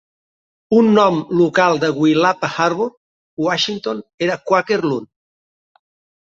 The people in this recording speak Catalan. Un nom local de Willapa Harbor, Washington, era "Quaker loon".